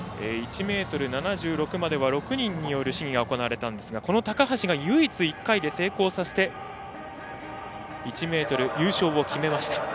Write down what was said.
１ｍ７６までは６人による試技が行われましたがこの高橋が唯一、１回で成功させて優勝を決めました。